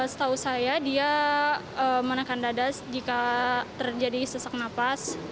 setahu saya dia menekan dadas jika terjadi sesak nafas